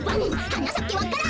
「はなさけわか蘭」